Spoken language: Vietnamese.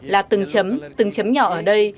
là từng chấm từng chấm nhỏ ở đây